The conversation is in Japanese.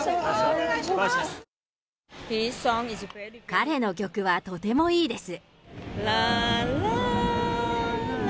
彼の曲はとてもいいです。